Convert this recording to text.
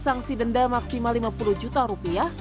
sanksi denda maksimal lima puluh juta rupiah